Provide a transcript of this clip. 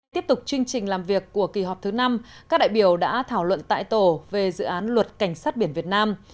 tiếp tục chương trình làm việc của kỳ họp thứ năm các đại biểu đã thảo luận tại tổ về dự án luật cảnh sát biển việt nam